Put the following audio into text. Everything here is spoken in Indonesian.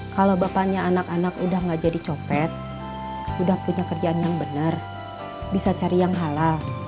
kalau bapaknya anak anak udah gak jadi copet udah punya kerjaan yang benar bisa cari yang halal